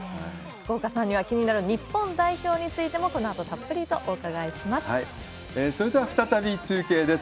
福岡さんには、このあとも気になる日本代表についても、このあとたっぷりとお伺それでは再び、中継です。